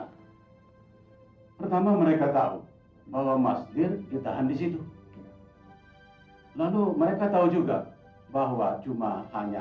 hai pertama mereka tahu bahwa masjid ditahan disitu lalu mereka tahu juga bahwa cuma hanya